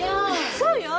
そうよ。